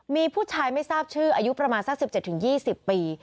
มีผู้ชายไม่ทราบชื่ออายุประมาณสัก๑๗๒๐ปี